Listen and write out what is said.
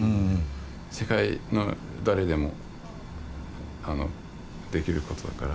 世界の誰でもできることだから。